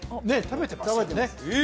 食べてます